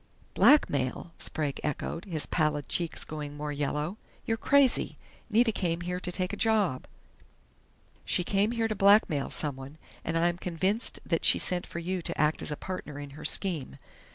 "Blackmail?" Sprague echoed, his pallid cheeks going more yellow. "You're crazy! Nita came here to take a job " "She came here to blackmail someone, and I am convinced that she sent for you to act as a partner in her scheme....